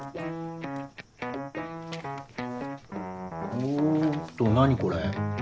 おっと何これ。